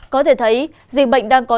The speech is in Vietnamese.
có thể thấy dịch bệnh đang có